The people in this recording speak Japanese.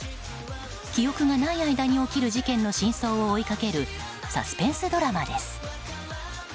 記憶がない間に起きる事件の真相を追いかけるサスペンスドラマです。